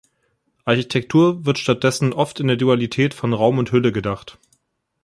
Architektur wird stattdessen oft in der Dualität von Raum und Hülle gedacht.